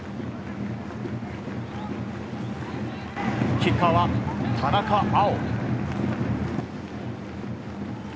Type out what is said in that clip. キッカーは田中碧。